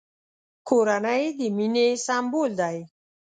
کورنۍ د مینې سمبول دی!